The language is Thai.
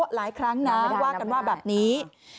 หลายครั้งนะว่ากันว่าแบบนี้